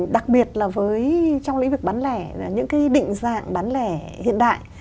đặc biệt là với trong lĩnh vực bán lẻ những cái định dạng bán lẻ hiện đại